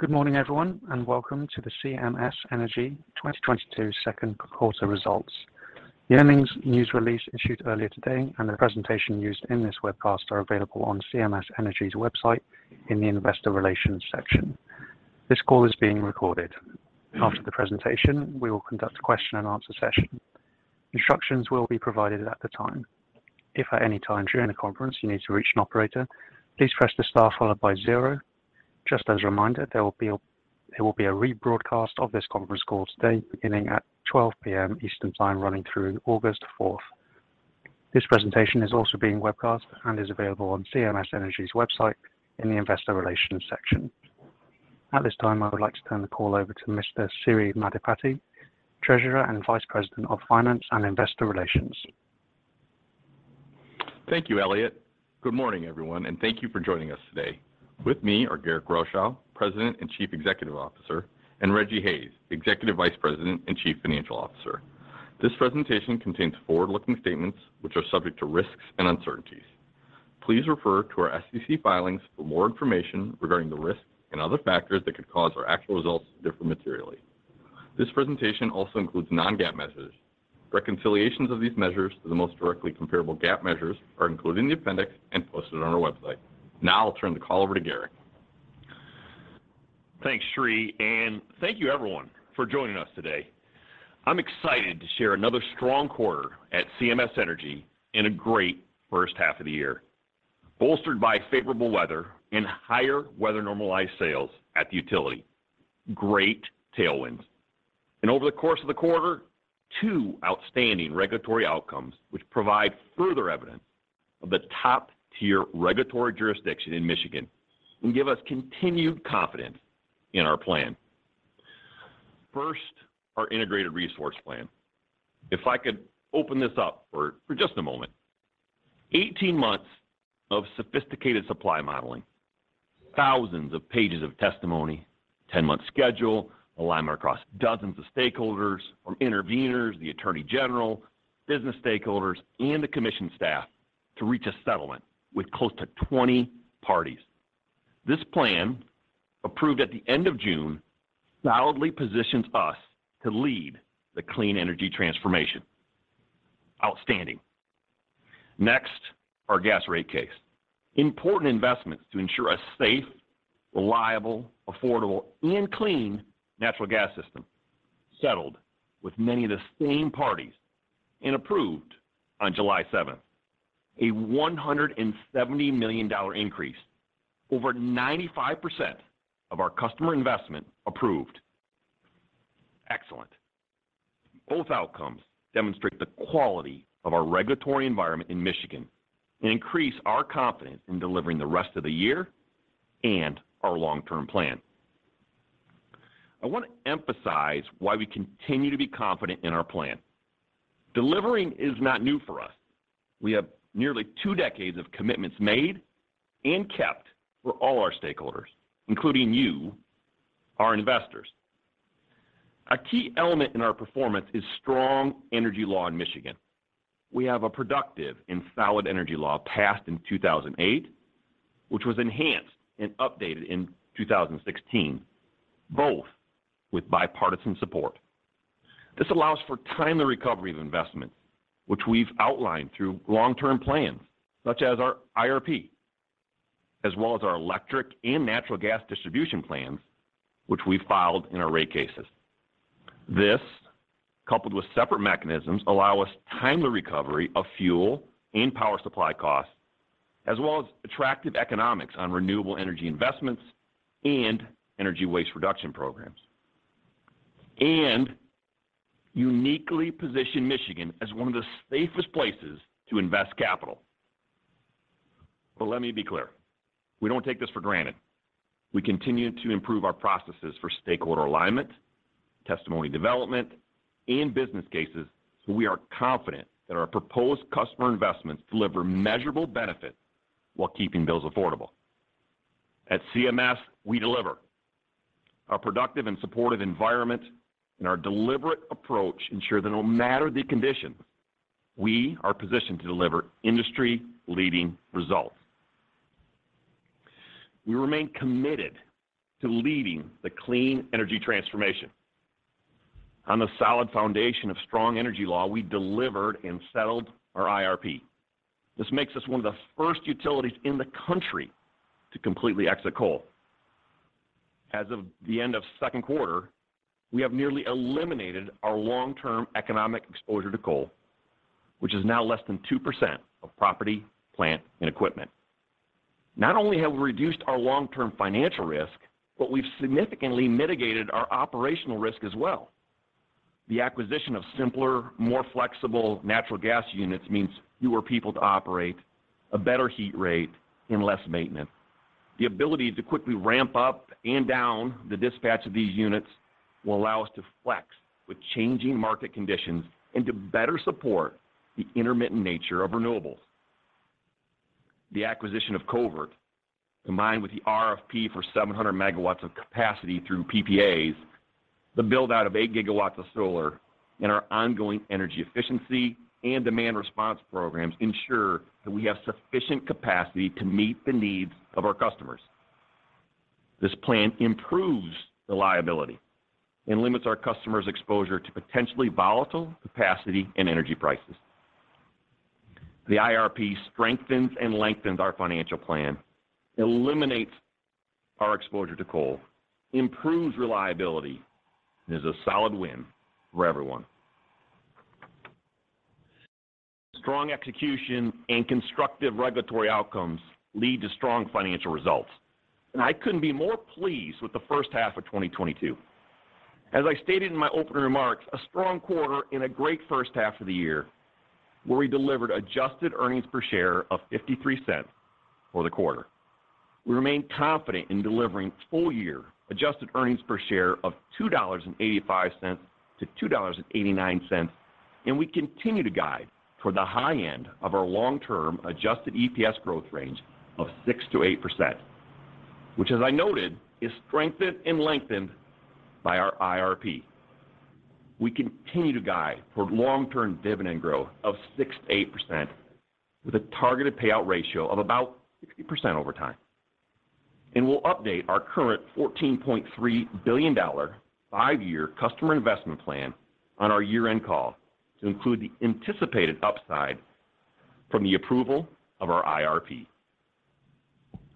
Good morning, everyone, and welcome to the CMS Energy 2022 second quarter results. The earnings news release issued earlier today and the presentation used in this webcast are available on CMS Energy's website in the Investor Relations section. This call is being recorded. After the presentation, we will conduct a question-and-answer session. Instructions will be provided at the time. If at any time during the conference you need to reach an operator, please press the star followed by zero. Just as a reminder, there will be a rebroadcast of this conference call today beginning at 12:00 P.M. Eastern Time, running through August fourth. This presentation is also being webcast and is available on CMS Energy's website in the Investor Relations section. At this time, I would like to turn the call over to Mr. Sri Maddipati, Treasurer and Vice President of Finance and Investor Relations. Thank you, Elliot. Good morning, everyone, and thank you for joining us today. With me are Garrick Rochow, President and Chief Executive Officer, and Rejji Hayes, Executive Vice President and Chief Financial Officer. This presentation contains forward-looking statements which are subject to risks and uncertainties. Please refer to our SEC filings for more information regarding the risks and other factors that could cause our actual results to differ materially. This presentation also includes non-GAAP measures. Reconciliations of these measures to the most directly comparable GAAP measures are included in the appendix and posted on our website. Now I'll turn the call over to Garrick. Thanks, Sri, and thank you everyone for joining us today. I'm excited to share another strong quarter at CMS Energy and a great first half of the year, bolstered by favorable weather and higher weather normalized sales at the utility. Great tailwinds. Over the course of the quarter, two outstanding regulatory outcomes which provide further evidence of the top-tier regulatory jurisdiction in Michigan and give us continued confidence in our plan. First, our integrated resource plan. If I could open this up for just a moment. 18 months of sophisticated supply modeling, thousands of pages of testimony, 10-month schedule alignment across dozens of stakeholders from interveners, the Attorney General, business stakeholders, and the commission staff to reach a settlement with close to 20 parties. This plan, approved at the end of June, solidly positions us to lead the clean energy transformation. Outstanding. Next, our gas rate case. Important investments to ensure a safe, reliable, affordable and clean natural gas system settled with many of the same parties and approved on July 7. A $170 million increase. Over 95% of our customer investment approved. Excellent. Both outcomes demonstrate the quality of our regulatory environment in Michigan and increase our confidence in delivering the rest of the year and our long-term plan. I want to emphasize why we continue to be confident in our plan. Delivering is not new for us. We have nearly two decades of commitments made and kept for all our stakeholders, including you, our investors. A key element in our performance is strong energy law in Michigan. We have a productive and solid energy law passed in 2008, which was enhanced and updated in 2016, both with bipartisan support. This allows for timely recovery of investment, which we've outlined through long-term plans such as our IRP, as well as our electric and natural gas distribution plans, which we filed in our rate cases. This, coupled with separate mechanisms, allow us timely recovery of fuel and power supply costs, as well as attractive economics on renewable energy investments and energy waste reduction programs, and uniquely position Michigan as one of the safest places to invest capital. Let me be clear, we don't take this for granted. We continue to improve our processes for stakeholder alignment, testimony development, and business cases, so we are confident that our proposed customer investments deliver measurable benefits while keeping bills affordable. At CMS, we deliver. Our productive and supportive environment and our deliberate approach ensure that no matter the condition, we are positioned to deliver industry-leading results. We remain committed to leading the clean energy transformation. On the solid foundation of strong energy law, we delivered and settled our IRP. This makes us one of the first utilities in the country to completely exit coal. As of the end of second quarter, we have nearly eliminated our long-term economic exposure to coal, which is now less than 2% of property, plant and equipment. Not only have we reduced our long-term financial risk, but we've significantly mitigated our operational risk as well. The acquisition of simpler, more flexible natural gas units means fewer people to operate, a better heat rate and less maintenance. The ability to quickly ramp up and down the dispatch of these units will allow us to flex with changing market conditions and to better support the intermittent nature of renewables. The acquisition of Covert, combined with the RFP for 700 MW of capacity through PPAs. The build-out of 8 GW of solar and our ongoing energy efficiency and demand response programs ensure that we have sufficient capacity to meet the needs of our customers. This plan improves reliability and limits our customers' exposure to potentially volatile capacity and energy prices. The IRP strengthens and lengthens our financial plan, eliminates our exposure to coal, improves reliability, and is a solid win for everyone. Strong execution and constructive regulatory outcomes lead to strong financial results, and I couldn't be more pleased with the first half of 2022. As I stated in my opening remarks, a strong quarter and a great first half of the year where we delivered adjusted earnings per share of $0.53 for the quarter. We remain confident in delivering full-year adjusted earnings per share of $2.85-$2.89, and we continue to guide for the high end of our long-term adjusted EPS growth range of 6%-8%, which, as I noted, is strengthened and lengthened by our IRP. We continue to guide for long-term dividend growth of 6%-8% with a targeted payout ratio of about 60% over time. We'll update our current $14.3 billion five-year customer investment plan on our year-end call to include the anticipated upside from the approval of our IRP.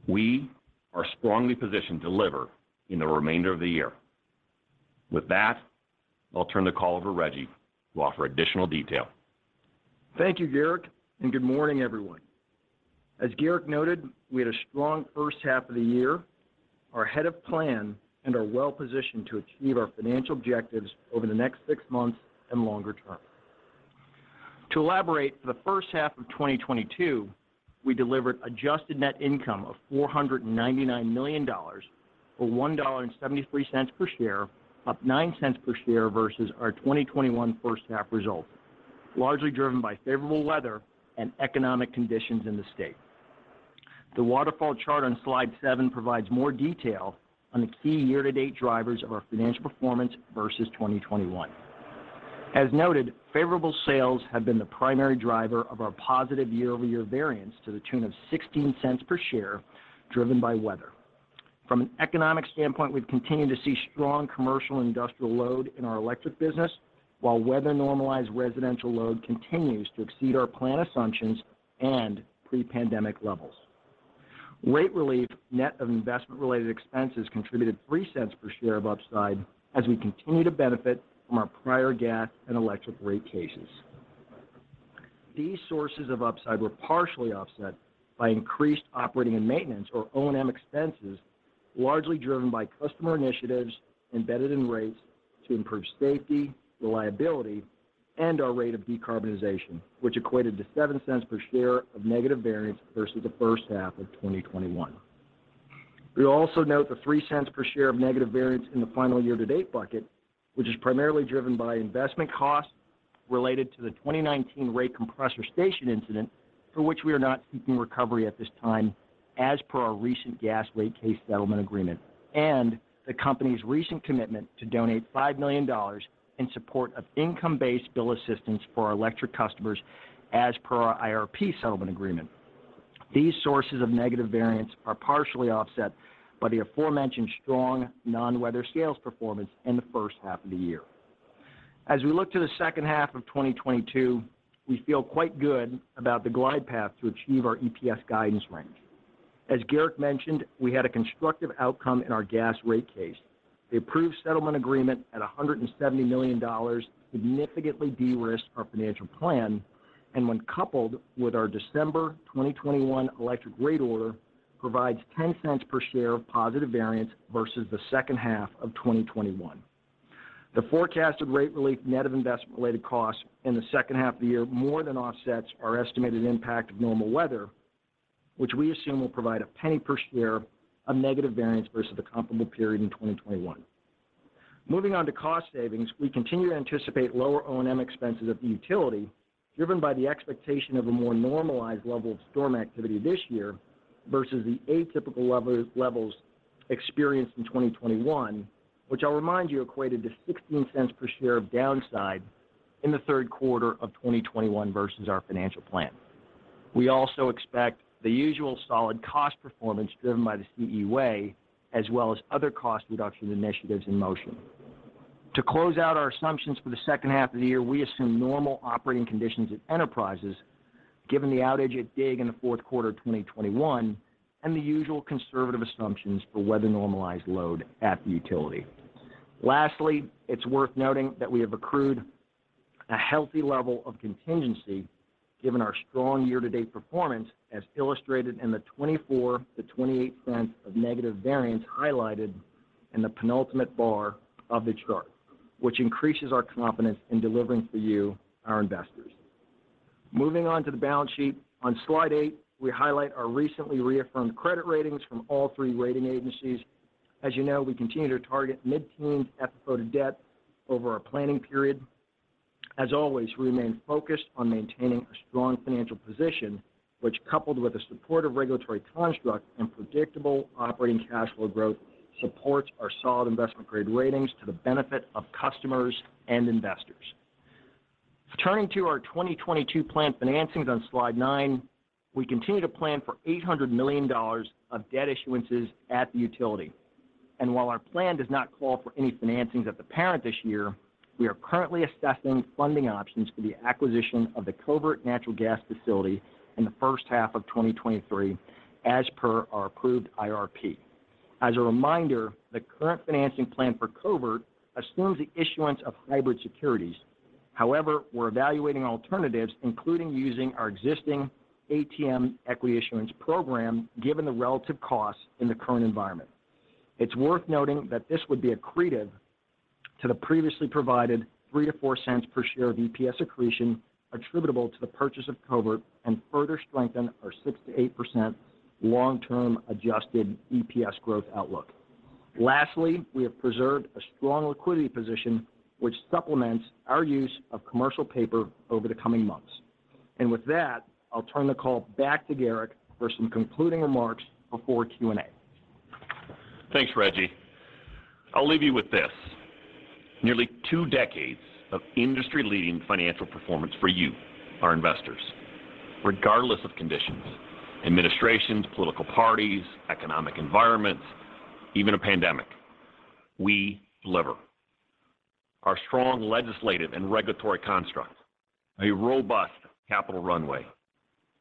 We are strongly positioned to deliver in the remainder of the year. With that, I'll turn the call over to Rejji, who will offer additional detail. Thank you, Garrick, and good morning, everyone. As Garrick noted, we had a strong first half of the year, are ahead of plan, and are well-positioned to achieve our financial objectives over the next six months and longer term. To elaborate, for the first half of 2022, we delivered adjusted net income of $499 million, or $1.73 per share, up 9 cents per share versus our 2021 first half results, largely driven by favorable weather and economic conditions in the state. The waterfall chart on slide 7 provides more detail on the key year-to-date drivers of our financial performance versus 2021. As noted, favorable sales have been the primary driver of our positive year-over-year variance to the tune of 16 cents per share, driven by weather. From an economic standpoint, we've continued to see strong commercial and industrial load in our electric business, while weather-normalized residential load continues to exceed our plan assumptions and pre-pandemic levels. Rate relief net of investment-related expenses contributed $0.03 per share of upside as we continue to benefit from our prior gas and electric rate cases. These sources of upside were partially offset by increased operating and maintenance, or O&M, expenses, largely driven by customer initiatives embedded in rates to improve safety, reliability, and our rate of decarbonization, which equated to $0.07 per share of negative variance versus the first half of 2021. We also note the $0.03 per share of negative variance in the final year-to-date bucket, which is primarily driven by investment costs related to the 2019 rate compressor station incident, for which we are not seeking recovery at this time as per our recent gas rate case settlement agreement and the company's recent commitment to donate $5 million in support of income-based bill assistance for our electric customers as per our IRP settlement agreement. These sources of negative variance are partially offset by the aforementioned strong non-weather sales performance in the first half of the year. As we look to the second half of 2022, we feel quite good about the glide path to achieve our EPS guidance range. As Garrick mentioned, we had a constructive outcome in our gas rate case. The approved settlement agreement at $170 million significantly de-risks our financial plan, and when coupled with our December 2021 electric rate order, provides $0.10 per share of positive variance versus the second half of 2021. The forecasted rate relief net of investment-related costs in the second half of the year more than offsets our estimated impact of normal weather, which we assume will provide $0.01 per share of negative variance versus the comparable period in 2021. Moving on to cost savings, we continue to anticipate lower O&M expenses at the utility, driven by the expectation of a more normalized level of storm activity this year versus the atypical levels experienced in 2021, which I'll remind you equated to $0.16 per share of downside in the third quarter of 2021 versus our financial plan. We also expect the usual solid cost performance driven by the CE Way as well as other cost reduction initiatives in motion. To close out our assumptions for the second half of the year, we assume normal operating conditions at enterprises given the outage at DIG in the fourth quarter of 2021 and the usual conservative assumptions for weather-normalized load at the utility. Lastly, it's worth noting that we have accrued a healthy level of contingency given our strong year-to-date performance, as illustrated in the $0.24-$0.28 of negative variance highlighted in the penultimate bar of the chart, which increases our confidence in delivering for you, our investors. Moving on to the balance sheet. On slide 8, we highlight our recently reaffirmed credit ratings from all three rating agencies. As you know, we continue to target mid-teens FFO to debt over our planning period. As always, we remain focused on maintaining a strong financial position which, coupled with a supportive regulatory construct and predictable operating cash flow growth, supports our solid investment-grade ratings to the benefit of customers and investors. Turning to our 2022 planned financings on slide 9, we continue to plan for $800 million of debt issuances at the utility. While our plan does not call for any financings at the parent this year, we are currently assessing funding options for the acquisition of the Covert Natural Gas facility in the first half of 2023 as per our approved IRP. As a reminder, the current financing plan for Covert assumes the issuance of hybrid securities. However, we're evaluating alternatives, including using our existing ATM equity issuance program, given the relative costs in the current environment. It's worth noting that this would be accretive to the previously provided $0.03-$0.04 per share of EPS accretion attributable to the purchase of Covert and further strengthen our 6%-8% long-term adjusted EPS growth outlook. Lastly, we have preserved a strong liquidity position, which supplements our use of commercial paper over the coming months. With that, I'll turn the call back to Garrick for some concluding remarks before Q&A. Thanks, Rejji. I'll leave you with this. Nearly two decades of industry-leading financial performance for you, our investors. Regardless of conditions, administrations, political parties, economic environments, even a pandemic, we deliver. Our strong legislative and regulatory construct, a robust capital runway,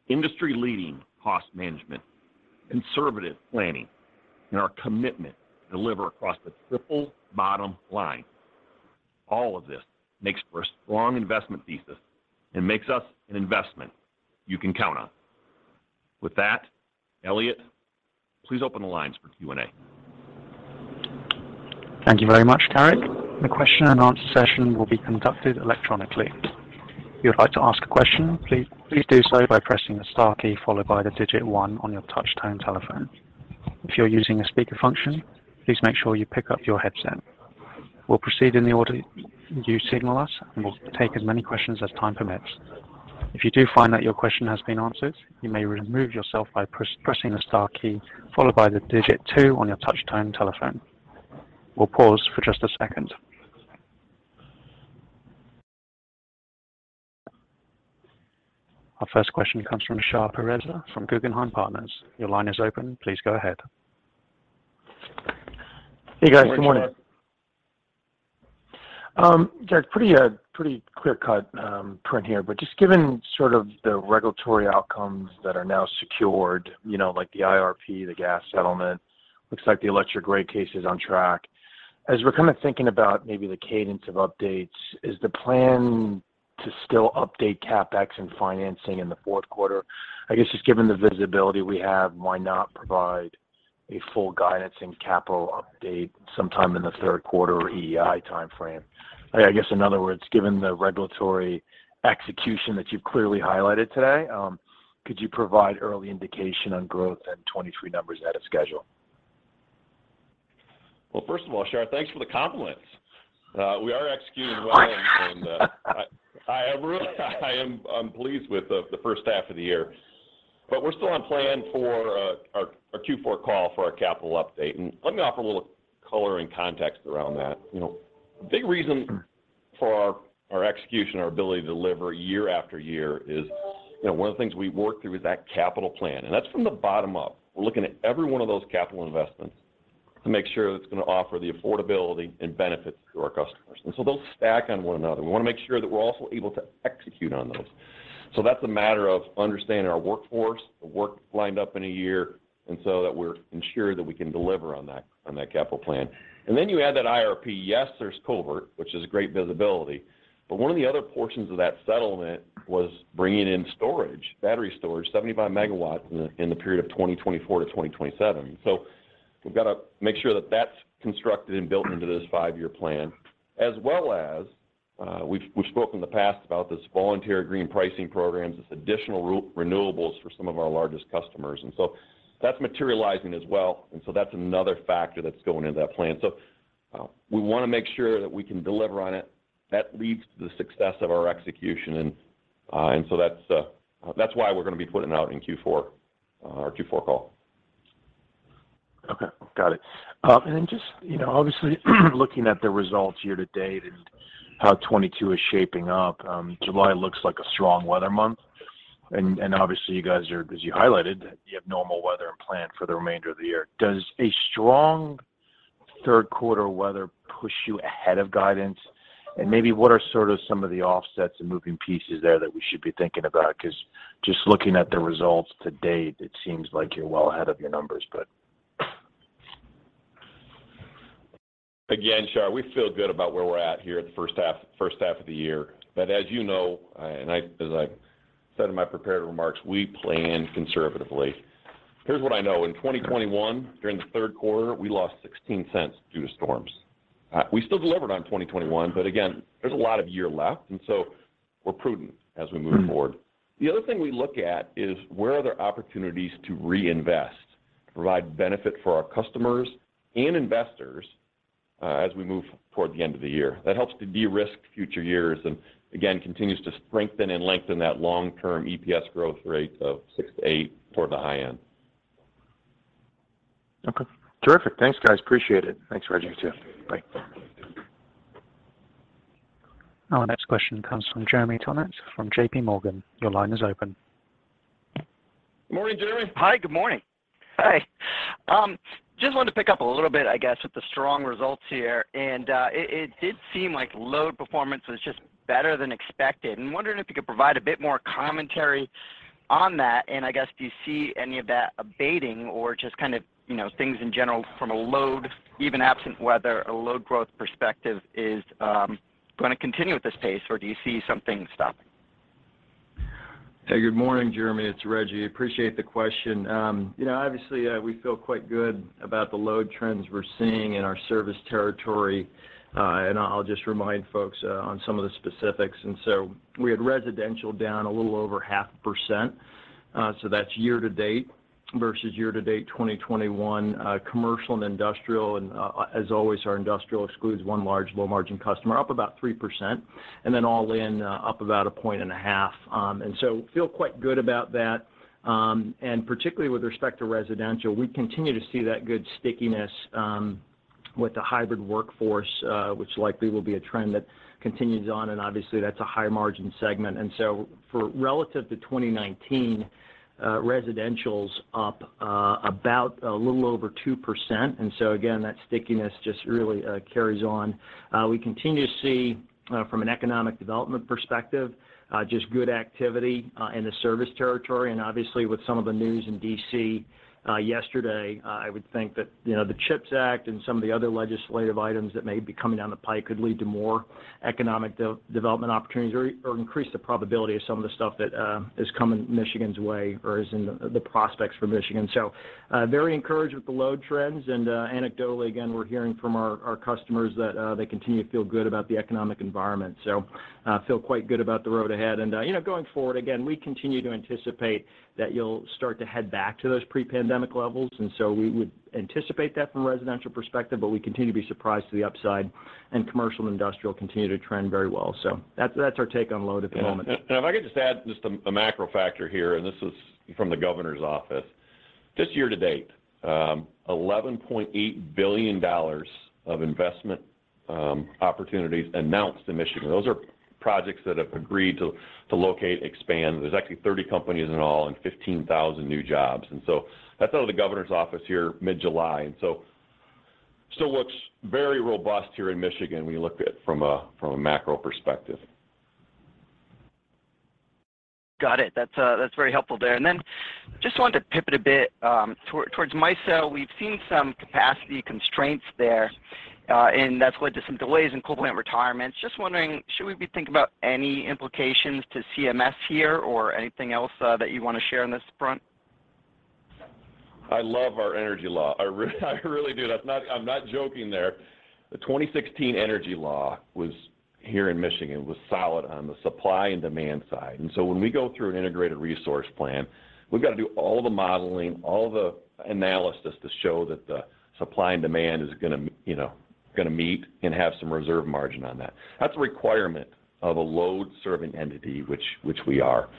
industry-leading cost management, conservative planning, and our commitment to deliver across the triple bottom line. All of this makes for a strong investment thesis and makes us an investment you can count on. With that, Elliot, please open the lines for Q&A. Thank you very much, Garrick. The question and answer session will be conducted electronically. If you would like to ask a question, please do so by pressing the star key followed by the digit one on your touch tone telephone. If you're using a speaker function, please make sure you pick up your headset. We'll proceed in the order you signal us, and we'll take as many questions as time permits. If you do find that your question has been answered, you may remove yourself by pressing the star key followed by the digit two on your touch tone telephone. We'll pause for just a second. Our first question comes from Shar Pourreza from Guggenheim Partners. Your line is open. Please go ahead. Hey, guys. Good morning. Hey, Shar. Yeah, pretty clear-cut print here. Just given sort of the regulatory outcomes that are now secured, you know, like the IRP, the gas settlement, looks like the electric rate case is on track. As we're kind of thinking about maybe the cadence of updates, is the plan to still update CapEx and financing in the fourth quarter? I guess just given the visibility we have, why not provide a full guidance and capital update sometime in the third quarter or EEI timeframe? I guess in other words, given the regulatory execution that you've clearly highlighted today, could you provide early indication on growth and 2023 numbers ahead of schedule? Well, first of all, Shar, thanks for the compliments. We are executing well. I really am pleased with the first half of the year. We're still on plan for our Q4 call for our capital update. Let me offer a little color and context around that. You know, a big reason for our execution, our ability to deliver year after year is, you know, one of the things we work through is that capital plan, and that's from the bottom up. We're looking at every one of those capital investments to make sure that it's going to offer the affordability and benefits to our customers. They'll stack on one another. We want to make sure that we're also able to execute on those. That's a matter of understanding our workforce, the work lined up in a year, and so that we're ensured that we can deliver on that capital plan. Then you add that IRP. Yes, there's Covert, which is great visibility, but one of the other portions of that settlement was bringing in storage, battery storage, 75 megawatts in the period of 2024 to 2027. We've got to make sure that that's constructed and built into this five-year plan. As well as, we've spoken in the past about this Voluntary Green Pricing programs, this additional renewables for some of our largest customers, and so that's materializing as well. That's another factor that's going into that plan. We want to make sure that we can deliver on it. That leads to the success of our execution. That's why we're going to be putting it out in Q4, our Q4 call. Okay. Got it. Then just, you know, obviously looking at the results year to date and how 2022 is shaping up, July looks like a strong weather month. Obviously you guys are, as you highlighted, you have normal weather and plan for the remainder of the year. Does a strong third quarter weather push you ahead of guidance? Maybe what are sort of some of the offsets and moving pieces there that we should be thinking about? Because just looking at the results to date, it seems like you're well ahead of your numbers, but. Again, Shar, we feel good about where we're at here at the first half of the year. As you know, and I, as I said in my prepared remarks, we plan conservatively. Here's what I know. In 2021, during the third quarter, we lost $0.16 due to storms. We still delivered on 2021, but again, there's a lot of year left, and so we're prudent as we move forward. The other thing we look at is where are there opportunities to reinvest to provide benefit for our customers and investors, as we move toward the end of the year. That helps to de-risk future years and again, continues to strengthen and lengthen that long-term EPS growth rate of 6%-8% toward the high end. Okay. Terrific. Thanks, guys. Appreciate it. Thanks, Shar, you too. Bye. Our next question comes from Jeremy Tonet from JPMorgan. Your line is open. Morning, Jeremy. Hi, good morning. Hey, just wanted to pick up a little bit, I guess, with the strong results here, and it did seem like load performance was just better than expected, and wondering if you could provide a bit more commentary on that. I guess, do you see any of that abating or just kind of, you know, things in general from a load, even absent weather, a load growth perspective is gonna continue at this pace, or do you see something stopping? Hey, good morning, Jeremy. It's Rejji. Appreciate the question. You know, obviously, we feel quite good about the load trends we're seeing in our service territory. I'll just remind folks on some of the specifics. We had residential down a little over 0.5%, so that's year to date versus year to date 2021. Commercial and industrial, as always, our industrial excludes one large low margin customer, up about 3%. All in, up about 1.5%. Feel quite good about that, and particularly with respect to residential, we continue to see that good stickiness with the hybrid workforce, which likely will be a trend that continues on, and obviously that's a high margin segment. For relative to 2019, residential's up about a little over 2%. Again, that stickiness just really carries on. We continue to see from an economic development perspective just good activity in the service territory. Obviously with some of the news in D.C. yesterday, I would think that, you know, the CHIPS Act and some of the other legislative items that may be coming down the pipe could lead to more economic development opportunities or increase the probability of some of the stuff that is coming Michigan's way or is in the prospects for Michigan. Very encouraged with the load trends and, anecdotally again, we're hearing from our customers that they continue to feel good about the economic environment, so feel quite good about the road ahead. You know, going forward, again, we continue to anticipate that you'll start to head back to those pre-pandemic levels. We would anticipate that from a residential perspective, but we continue to be surprised to the upside, and commercial and industrial continue to trend very well. That's our take on load at the moment. If I could just add just a macro factor here, and this is from the governor's office. Just year to date, $11.8 billion of investment opportunities announced in Michigan. Those are projects that have agreed to locate, expand. There's actually 30 companies in all and 15,000 new jobs. That's out of the governor's office here mid-July, and so still looks very robust here in Michigan when you look at it from a macro perspective. Got it. That's very helpful there. Then just wanted to pivot a bit, towards MISO. We've seen some capacity constraints there, and that's led to some delays in coal plant retirements. Just wondering, should we be thinking about any implications to CMS here or anything else, that you want to share on this front? I love our energy law. I really do. That's not. I'm not joking there. The 2016 energy law was here in Michigan, was solid on the supply and demand side. When we go through an integrated resource plan, we've got to do all the modeling, all the analysis to show that the supply and demand is gonna you know, gonna meet and have some reserve margin on that. That's a requirement of a load-serving entity, which we are.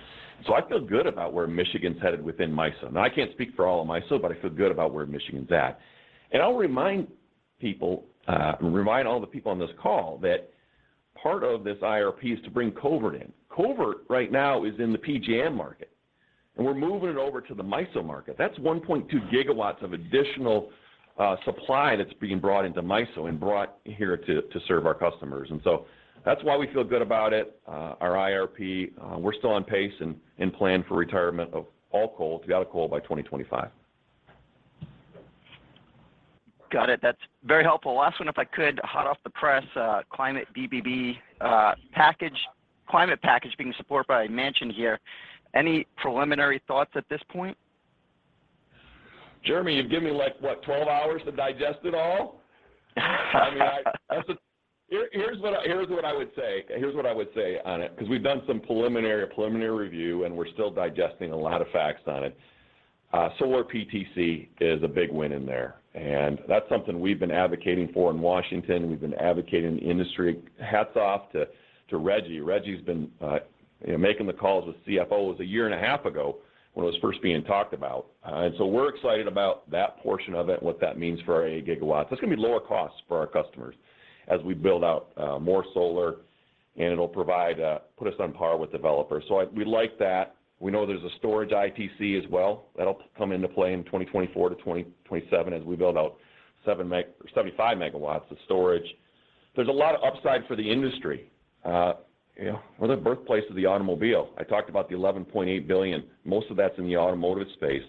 I feel good about where Michigan's headed within MISO. Now, I can't speak for all of MISO, but I feel good about where Michigan's at. I'll remind people on this call that part of this IRP is to bring Covert in. Covert right now is in the PJM market, and we're moving it over to the MISO market. That's 1.2 gigawatts of additional supply that's being brought into MISO and brought here to serve our customers. That's why we feel good about it. Our IRP, we're still on pace and plan for retirement of all coal, to be out of coal by 2025. Got it. That's very helpful. Last one if I could. Hot off the press, climate BBB package, climate package being supported by Manchin here. Any preliminary thoughts at this point? Jeremy, you've given me like, what, 12 hours to digest it all? Here's what I would say on it, because we've done some preliminary review, and we're still digesting a lot of facts on it. Solar PTC is a big win in there, and that's something we've been advocating for in Washington. We've been advocating in the industry. Hats off to Rejji. Rejji's been making the calls with CFOs a year and a half ago when it was first being talked about. We're excited about that portion of it and what that means for our 8 gigawatts. That's gonna be lower costs for our customers as we build out more solar, and it'll put us on par with developers. We like that. We know there's a storage ITC as well. That'll come into play in 2024-2027 as we build out 75 megawatts of storage. There's a lot of upside for the industry. You know, we're the birthplace of the automobile. I talked about the $11.8 billion. Most of that's in the automotive space.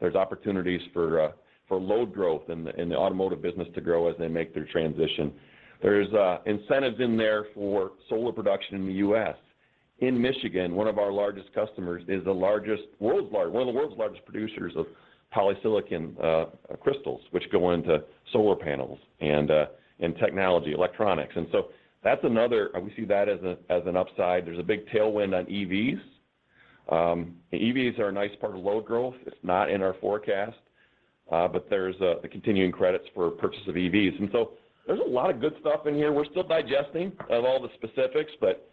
There's opportunities for load growth in the automotive business to grow as they make their transition. There's incentives in there for solar production in the U.S. In Michigan, one of our largest customers is one of the world's largest producers of polysilicon crystals, which go into solar panels and technology, electronics. That's another. We see that as an upside. There's a big tailwind on EVs. EVs are a nice part of load growth. It's not in our forecast. There's the continuing credits for purchase of EVs. There's a lot of good stuff in here. We're still digesting of all the specifics, but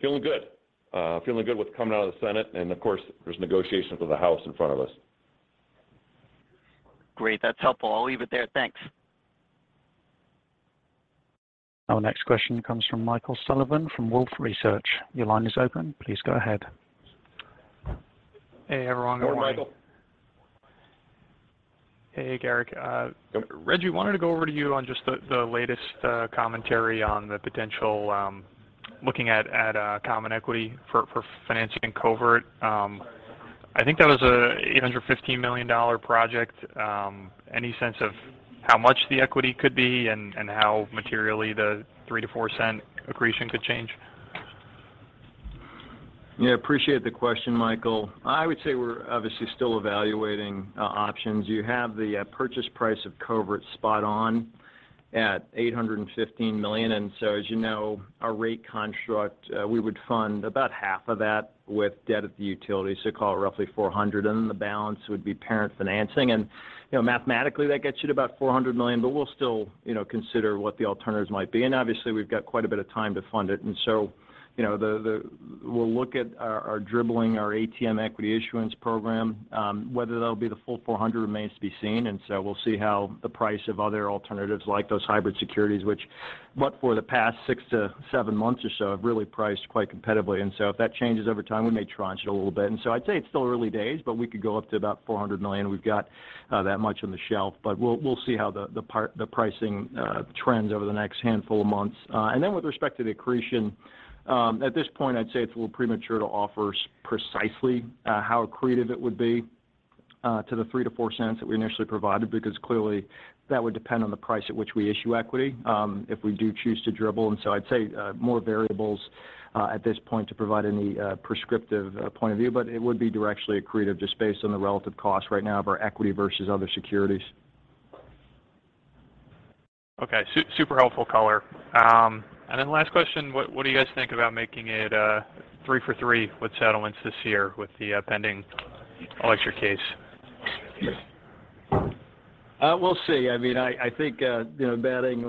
feeling good with coming out of the Senate. Of course, there's negotiations with the House in front of us. Great. That's helpful. I'll leave it there. Thanks. Our next question comes from Michael Sullivan from Wolfe Research. Your line is open. Please go ahead. Hey, everyone. Good morning. Good morning, Michael. Hey, Garrick. Rejji, wanted to go over to you on just the latest commentary on the potential looking at common equity for financing Covert. I think that was a $815 million project. Any sense of how much the equity could be and how materially the 3-4 cent accretion could change? Yeah, appreciate the question, Michael. I would say we're obviously still evaluating options. You have the purchase price of Covert spot on at $815 million. As you know, our rate construct, we would fund about half of that with debt at the utility. Call it roughly $400 million, and the balance would be parent financing. You know, mathematically, that gets you to about $400 million, but we'll still, you know, consider what the alternatives might be. Obviously, we've got quite a bit of time to fund it. You know, we'll look at our ATM equity issuance program. Whether that'll be the full $400 million remains to be seen. We'll see how the price of other alternatives like those hybrid securities, which but for the past six to seven months or so, have really priced quite competitively. If that changes over time, we may tranche it a little bit. I'd say it's still early days, but we could go up to about $400 million. We've got that much on the shelf. We'll see how the pricing trends over the next handful of months. With respect to the accretion, at this point, I'd say it's a little premature to offer specifically how accretive it would be to the $0.03-$0.04 that we initially provided, because clearly that would depend on the price at which we issue equity, if we do choose to dribble. I'd say more variables at this point to provide any prescriptive point of view, but it would be directionally accretive just based on the relative cost right now of our equity versus other securities. Okay. Super helpful color. Last question. What do you guys think about making it three for three with settlements this year with the pending electric case? We'll see. I mean, I think, you know, batting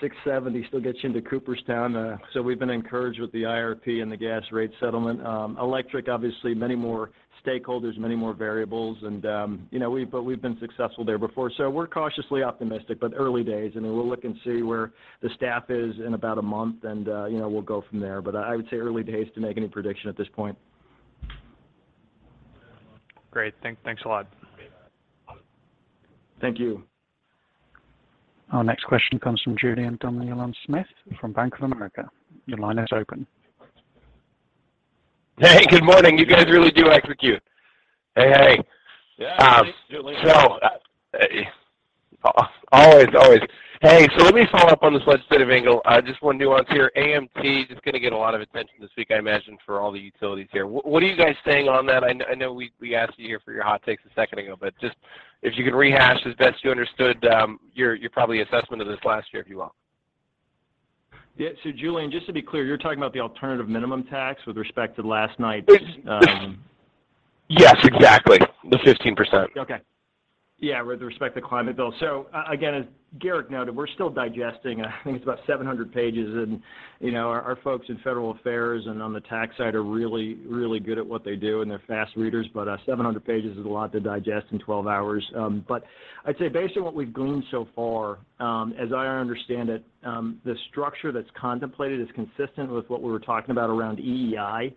.670 still gets you into Cooperstown. We've been encouraged with the IRP and the gas rate settlement. Electric, obviously, many more stakeholders, many more variables. We've been successful there before. We're cautiously optimistic, but early days. I mean, we'll look and see where the staff is in about a month and, you know, we'll go from there. I would say early days to make any prediction at this point. Great. Thanks a lot. Thank you. Our next question comes from Julien Dumoulin-Smith from Bank of America. Your line is open. Hey, good morning. You guys really do execute. Hey, hey. Yeah. Hey, Julien. Always. Hey, let me follow up on this legislative angle. Just one nuance here. AMT is going to get a lot of attention this week, I imagine, for all the utilities here. What are you guys saying on that? I know we asked you here for your hot takes a second ago, but just if you could rehash as best you understood, your probable assessment of this last year, if you will. Julien, just to be clear, you're talking about the alternative minimum tax with respect to last night's. Yes, exactly. The 15%. Okay. Yeah, with respect to climate bill. Again, as Garrick noted, we're still digesting. I think it's about 700 pages. You know, our folks in federal affairs and on the tax side are really, really good at what they do, and they're fast readers. 700 pages is a lot to digest in 12 hours. I'd say based on what we've gleaned so far, as I understand it, the structure that's contemplated is consistent with what we were talking about around EEI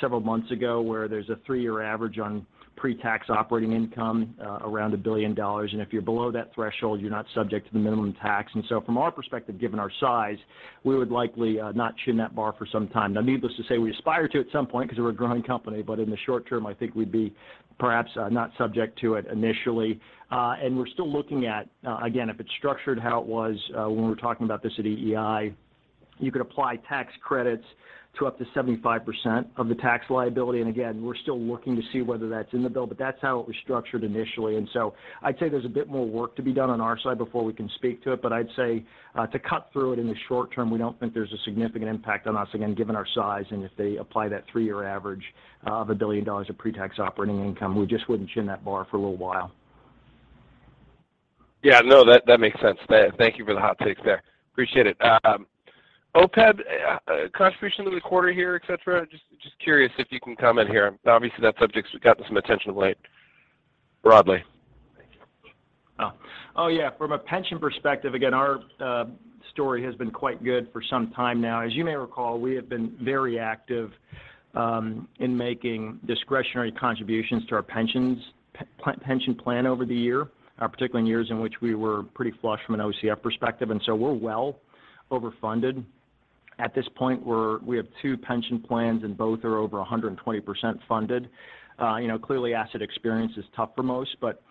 several months ago, where there's a 3-year average on pre-tax operating income around $1 billion. If you're below that threshold, you're not subject to the minimum tax. From our perspective, given our size, we would likely not chin that bar for some time. Now, needless to say, we aspire to at some point because we're a growing company, but in the short term, I think we'd be perhaps not subject to it initially. We're still looking at, again, if it's structured how it was, when we were talking about this at EEI, you could apply tax credits to up to 75% of the tax liability. We're still looking to see whether that's in the bill, but that's how it was structured initially. I'd say there's a bit more work to be done on our side before we can speak to it. I'd say, to cut through it in the short term, we don't think there's a significant impact on us, again, given our size and if they apply that three-year average of $1 billion of pre-tax operating income. We just wouldn't chin that bar for a little while. Yeah. No, that makes sense. Thank you for the hot takes there. Appreciate it. OPEB contribution to the quarter here, et cetera. Just curious if you can comment here. Obviously, that subject's gotten some attention of late, broadly. From a pension perspective, again, our story has been quite good for some time now. As you may recall, we have been very active in making discretionary contributions to our pension plan over the year, particularly in years in which we were pretty flush from an OCF perspective. We're well overfunded. At this point, we have two pension plans, and both are over 120% funded. You know, clearly, asset experience is tough for most, but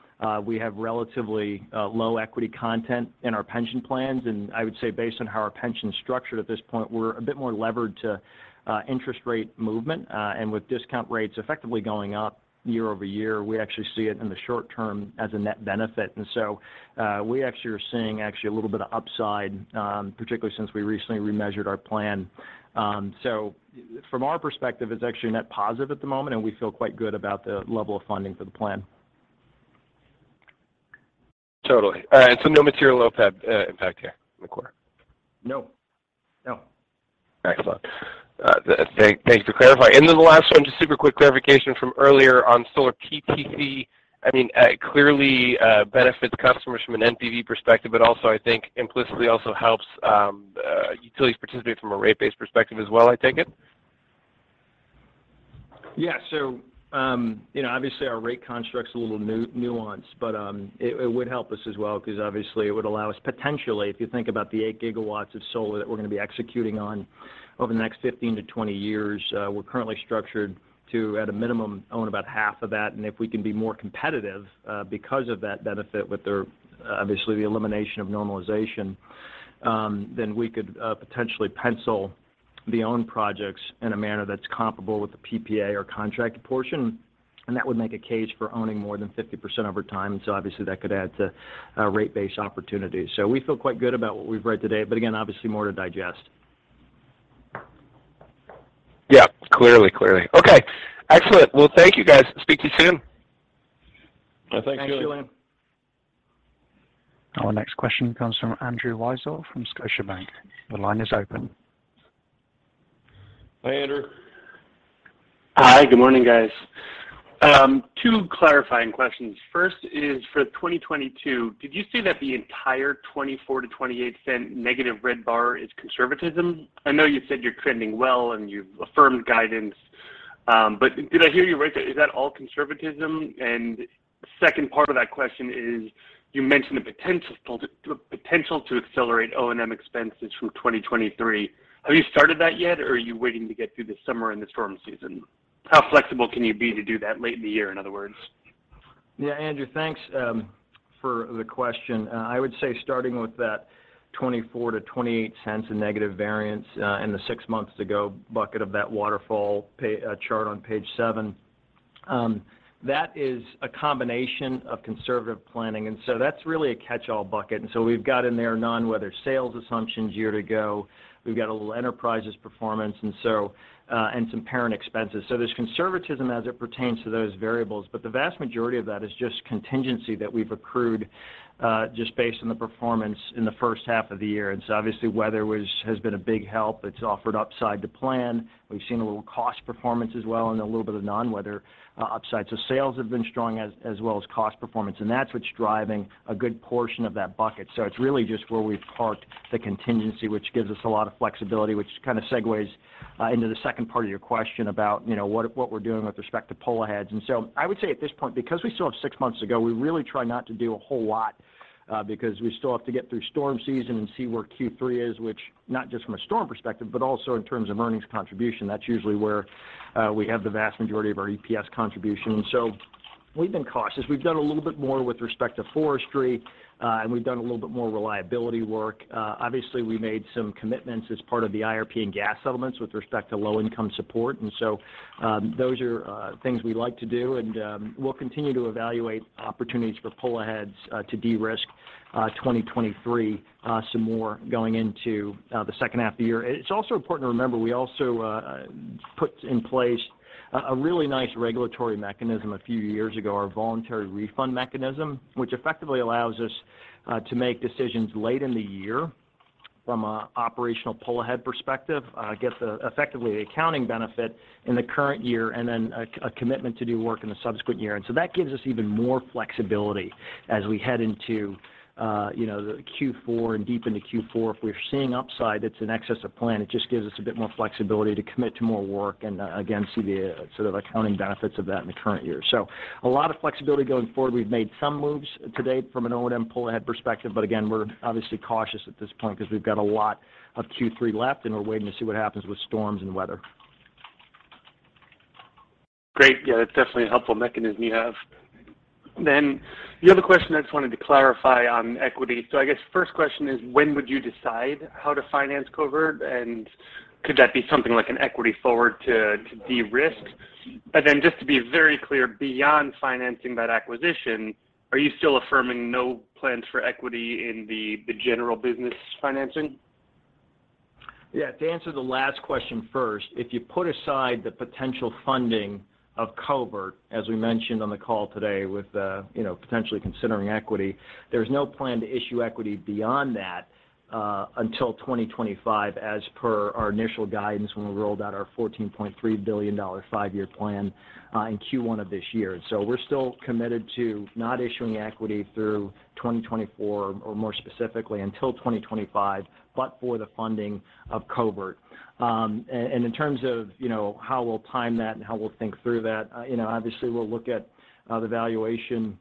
we have relatively low equity content in our pension plans. I would say based on how our pension is structured at this point, we're a bit more levered to interest rate movement. With discount rates effectively going up year-over-year, we actually see it in the short term as a net benefit. We actually are seeing actually a little bit of upside, particularly since we recently remeasured our plan. From our perspective, it's actually a net positive at the moment, and we feel quite good about the level of funding for the plan. Totally. All right, so no material OPEB impact here in the quarter? No. No. Excellent. Thanks for clarifying. The last one, just super quick clarification from earlier on solar PTC. I mean, it clearly benefits customers from an NPV perspective, but also I think implicitly also helps utilities participate from a rate base perspective as well, I take it? Yeah. You know, obviously our rate construct's a little nuanced, but it would help us as well because obviously it would allow us potentially, if you think about the 8 gigawatts of solar that we're gonna be executing on over the next 15-20 years, we're currently structured to, at a minimum, own about half of that. If we can be more competitive because of that benefit with the, obviously, the elimination of normalization, then we could potentially pencil out own projects in a manner that's comparable with the PPA or contracted portion. That would make a case for owning more than 50% over time. Obviously that could add to rate base opportunity. We feel quite good about what we've read today. Again, obviously more to digest. Yeah, clearly. Okay. Excellent. Well, thank you guys. Speak to you soon. Thanks, Julien. Thanks, Julien. Our next question comes from Andrew Weisel from Scotiabank. Your line is open. Hi, Andrew. Hi, good morning, guys. Two clarifying questions. First is for 2022, did you say that the entire 24- to 28-cent negative red bar is conservatism? I know you said you're trending well and you've affirmed guidance, but did I hear you right there? Is that all conservatism? Second part of that question is, you mentioned the potential to accelerate O&M expenses through 2023. Have you started that yet, or are you waiting to get through the summer and the storm season? How flexible can you be to do that late in the year, in other words? Yeah, Andrew, thanks, for the question. I would say starting with that 24-28 cents in negative variance, in the 6 months ago bucket of that waterfall chart on page 7, that is a combination of conservative planning. That's really a catchall bucket. We've got in there non-weather sales assumptions year to go. We've got a little enterprises performance and so, and some parent expenses. There's conservatism as it pertains to those variables, but the vast majority of that is just contingency that we've accrued, just based on the performance in the first half of the year. Obviously, weather has been a big help. It's offered upside to plan. We've seen a little cost performance as well and a little bit of non-weather, upside. Sales have been strong as well as cost performance, and that's what's driving a good portion of that bucket. It's really just where we've parked the contingency, which gives us a lot of flexibility, which kind of segues into the second part of your question about, you know, what we're doing with respect to pull aheads. I would say at this point, because we still have six months to go, we really try not to do a whole lot, because we still have to get through storm season and see where Q3 is, which not just from a storm perspective, but also in terms of earnings contribution. That's usually where we have the vast majority of our EPS contribution. We've been cautious. We've done a little bit more with respect to forestry, and we've done a little bit more reliability work. Obviously we made some commitments as part of the IRP and gas settlements with respect to low-income support. Those are things we like to do and we'll continue to evaluate opportunities for pull aheads to de-risk 2023 some more going into the second half of the year. It's also important to remember we also put in place a really nice regulatory mechanism a few years ago, our voluntary refund mechanism, which effectively allows us to make decisions late in the year from an operational pull ahead perspective. Get the effective accounting benefit in the current year and then a commitment to do work in the subsequent year. That gives us even more flexibility as we head into the Q4 and deep into Q4. If we're seeing upside that's in excess of plan, it just gives us a bit more flexibility to commit to more work and, again, see the sort of accounting benefits of that in the current year. A lot of flexibility going forward. We've made some moves to date from an O&M pull ahead perspective, but again, we're obviously cautious at this point because we've got a lot of Q3 left, and we're waiting to see what happens with storms and weather. Great. Yeah, that's definitely a helpful mechanism you have. The other question I just wanted to clarify on equity. I guess first question is, when would you decide how to finance Covert? And could that be something like an equity forward to de-risk? Just to be very clear, beyond financing that acquisition, are you still affirming no plans for equity in the general business financing? Yeah. To answer the last question first, if you put aside the potential funding of Covert, as we mentioned on the call today with, you know, potentially considering equity, there's no plan to issue equity beyond that, until 2025, as per our initial guidance when we rolled out our $14.3 billion five-year plan, in Q1 of this year. We're still committed to not issuing equity through 2024 or more specifically until 2025, but for the funding of Covert. And in terms of, you know, how we'll time that and how we'll think through that, you know, obviously we'll look at the valuation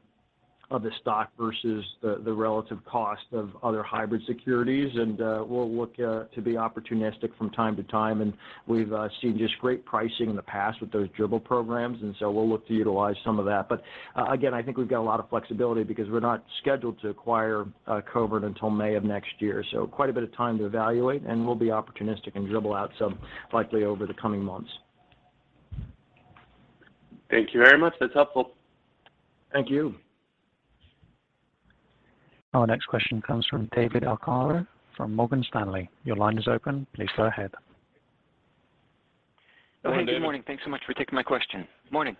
of the stock versus the relative cost of other hybrid securities. We'll look to be opportunistic from time to time. We've seen just great pricing in the past with those dribble programs, and so we'll look to utilize some of that. Again, I think we've got a lot of flexibility because we're not scheduled to acquire Covert until May of next year. Quite a bit of time to evaluate, and we'll be opportunistic and dribble out some likely over the coming months. Thank you very much. That's helpful. Thank you. Our next question comes from David Arcaro from Morgan Stanley. Your line is open. Please go ahead. Oh, hey, good morning. Thanks so much for taking my question. Morning.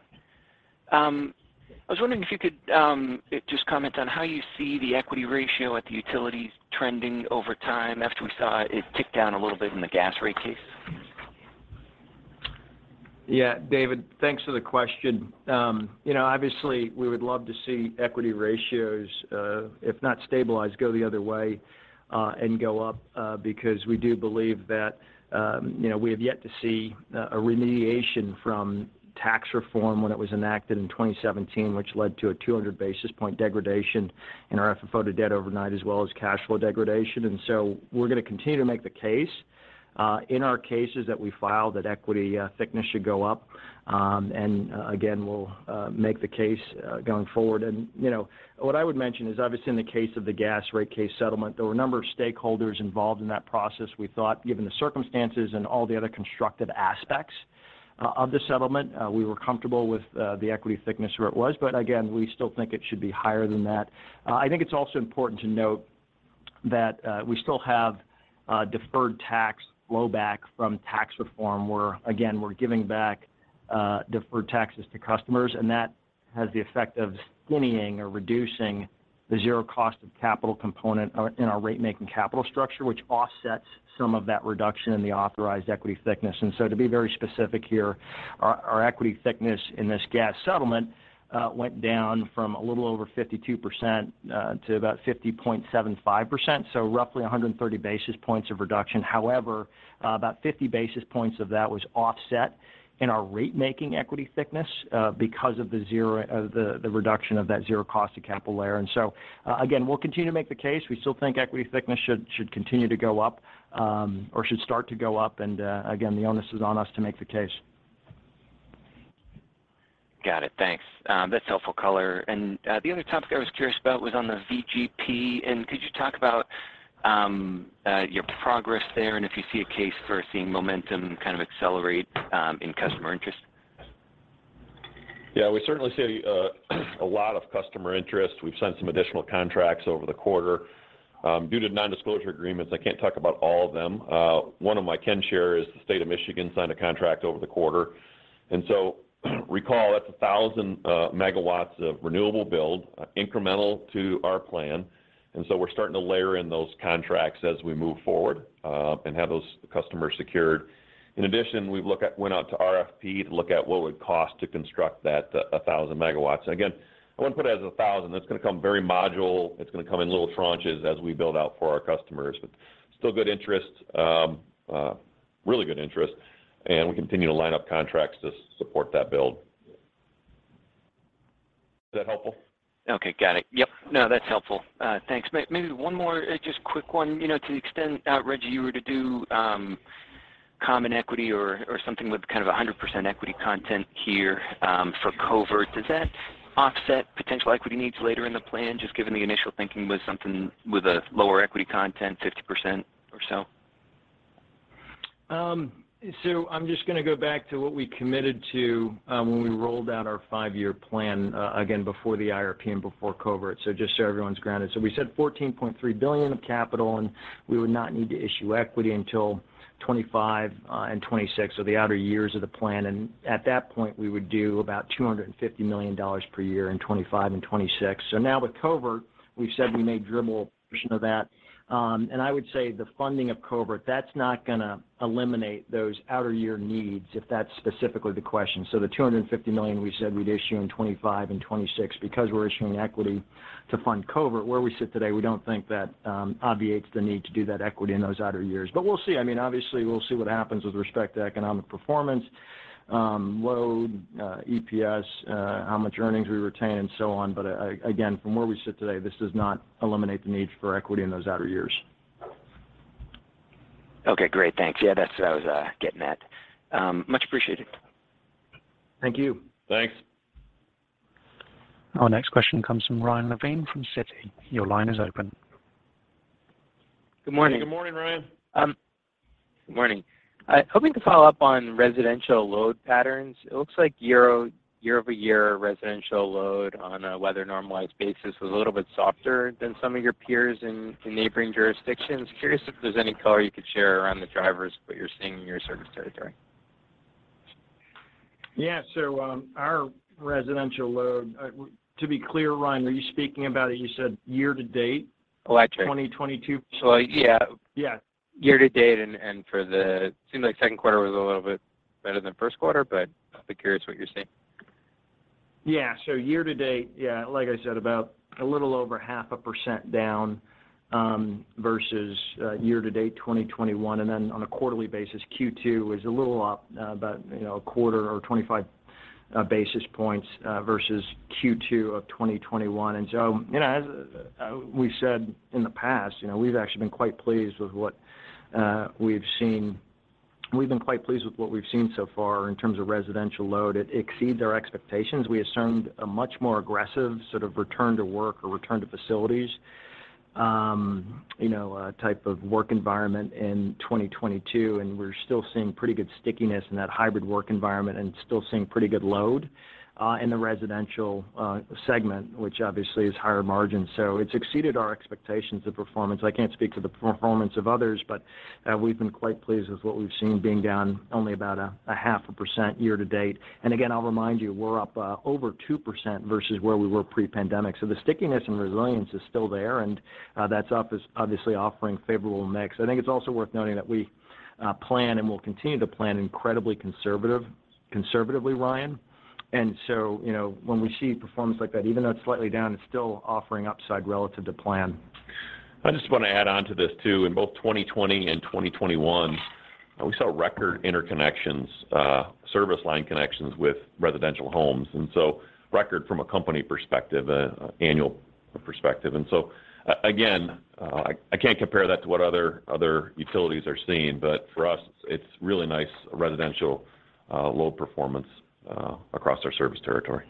I was wondering if you could just comment on how you see the equity ratio at the utilities trending over time after we saw it tick down a little bit in the gas rate case. Yeah. David, thanks for the question. You know, obviously, we would love to see equity ratios, if not stabilized, go the other way, and go up, because we do believe that, you know, we have yet to see, a remediation from tax reform when it was enacted in 2017, which led to a 200 basis point degradation in our FFO to debt overnight, as well as cash flow degradation. We're going to continue to make the case, in our cases that we file that equity thickness should go up. Again, we'll make the case going forward. You know, what I would mention is, obviously, in the case of the gas rate case settlement, there were a number of stakeholders involved in that process. We thought, given the circumstances and all the other constructive aspects of the settlement, we were comfortable with the equity thickness where it was. Again, we still think it should be higher than that. I think it's also important to note that we still have deferred tax flow back from tax reform, where again, we're giving back deferred taxes to customers, and that has the effect of thinning or reducing the zero cost of capital component in our rate-making capital structure, which offsets some of that reduction in the authorized equity thickness. To be very specific here, our equity thickness in this gas settlement went down from a little over 52% to about 50.75%. Roughly 130 basis points of reduction. However, about 50 basis points of that was offset in our rate-making equity thickness, because of the reduction of that zero cost of capital layer. Again, we'll continue to make the case. We still think equity thickness should continue to go up, or should start to go up. Again, the onus is on us to make the case. Got it. Thanks. That's helpful color. The other topic I was curious about was on the VGP. Could you talk about your progress there and if you see a case for seeing momentum kind of accelerate in customer interest? Yeah. We certainly see a lot of customer interest. We've signed some additional contracts over the quarter. Due to nondisclosure agreements, I can't talk about all of them. One of them I can share is the State of Michigan signed a contract over the quarter. Recall, that's 1,000 megawatts of renewable build incremental to our plan. We're starting to layer in those contracts as we move forward and have those customers secured. In addition, we went out to RFP to look at what it would cost to construct that, the 1,000 megawatts. Again, I wouldn't put it as 1,000. That's going to come very modular. It's going to come in little tranches as we build out for our customers. Still good interest, really good interest. We continue to line up contracts to support that build. Was that helpful? Okay. Got it. Yep. No, that's helpful. Thanks. Maybe one more, just quick one. You know, to the extent, Rejji, you were to do common equity or something with kind of a 100% equity content here, for Covert, does that offset potential equity needs later in the plan, just given the initial thinking was something with a lower equity content, 50% or so? I'm just going to go back to what we committed to, when we rolled out our five-year plan, again before the IRP and before Covert. Just so everyone's grounded. We said $14.3 billion of capital, and we would not need to issue equity until 2025 and 2026, so the outer years of the plan. At that point, we would do about $250 million per year in 2025 and 2026. Now with Covert, we've said we may dribble a portion of that. I would say the funding of Covert, that's not gonna eliminate those outer year needs, if that's specifically the question. The $250 million we said we'd issue in 2025 and 2026 because we're issuing equity to fund Covert. Where we sit today, we don't think that obviates the need to do that equity in those outer years. We'll see. I mean, obviously, we'll see what happens with respect to economic performance, load, EPS, how much earnings we retain and so on. Again, from where we sit today, this does not eliminate the need for equity in those outer years. Okay, great. Thanks. Yeah, that's what I was getting at. Much appreciated. Thank you. Thanks. Our next question comes from Ryan Levine from Citi. Your line is open. Good morning. Good morning, Ryan. Good morning. Hoping to follow up on residential load patterns. It looks like year-over-year residential load on a weather normalized basis was a little bit softer than some of your peers in neighboring jurisdictions. Curious if there's any color you could share around the drivers of what you're seeing in your service territory. Yeah. Our residential load, to be clear, Ryan, are you speaking about, as you said, year to date- Electric 2022? Yeah. Yeah. Year to date and it seemed like second quarter was a little bit better than first quarter, but I'd be curious what you're seeing. Yeah. Year to date, yeah, like I said, about a little over 0.5% down, versus year to date 2021. Then on a quarterly basis, Q2 is a little up, about, you know, a quarter or 25 basis points, versus Q2 of 2021. You know, as we've said in the past, you know, we've actually been quite pleased with what we've seen so far in terms of residential load. It exceeds our expectations. We assumed a much more aggressive sort of return to work or return to facilities. You know, a type of work environment in 2022, and we're still seeing pretty good stickiness in that hybrid work environment and still seeing pretty good load in the residential segment, which obviously is higher margin. It's exceeded our expectations of performance. I can't speak to the performance of others, but we've been quite pleased with what we've seen being down only about 0.5% year to date. Again, I'll remind you, we're up over 2% versus where we were pre-pandemic. The stickiness and resilience is still there, and that's obviously offering favorable mix. I think it's also worth noting that we plan and will continue to plan incredibly conservatively, Ryan. You know, when we see performance like that, even though it's slightly down, it's still offering upside relative to plan. I just want to add on to this too. In both 2020 and 2021, we saw record interconnections, service line connections with residential homes, and so record from a company perspective, annual perspective. Again, I can't compare that to what other utilities are seeing, but for us it's really nice residential load performance across our service territory.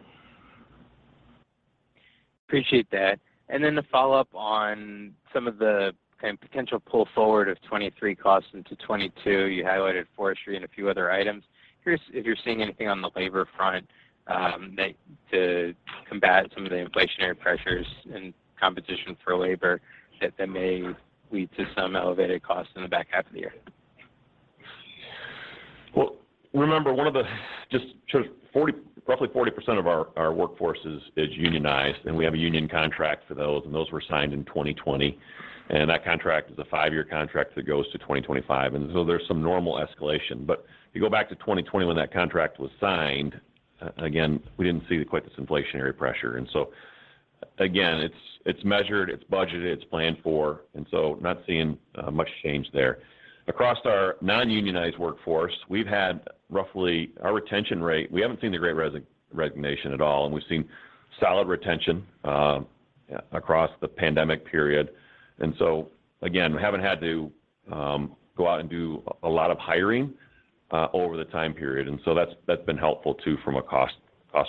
Appreciate that. Then to follow up on some of the kind of potential pull-forward of 2023 costs into 2022, you highlighted forestry and a few other items. Curious if you're seeing anything on the labor front, that to combat some of the inflationary pressures and competition for labor that may lead to some elevated costs in the back half of the year. Remember one of the just sort of 40, roughly 40% of our workforce is unionized, and we have a union contract for those, and those were signed in 2020. That contract is a five-year contract that goes to 2025, and there's some normal escalation. If you go back to 2020 when that contract was signed, again, we didn't see quite this inflationary pressure. Again, it's measured, it's budgeted, it's planned for, and not seeing much change there. Across our non-unionized workforce, we've had roughly our retention rate. We haven't seen the great resignation at all, and we've seen solid retention across the pandemic period. Again, we haven't had to go out and do a lot of hiring over the time period, and so that's been helpful too from a cost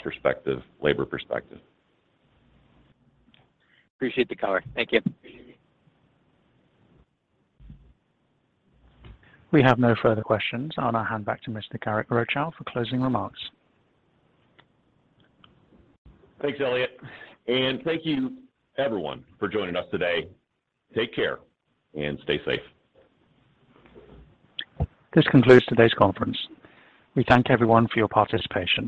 perspective, labor perspective. Appreciate the color. Thank you. We have no further questions. I'll now hand back to Mr. Garrick Rochow for closing remarks. Thanks, Elliot, and thank you everyone for joining us today. Take care and stay safe. This concludes today's conference. We thank everyone for your participation.